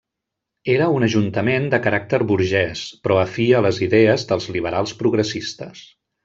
Era un ajuntament de caràcter burgès, però afí a les idees dels liberals progressistes.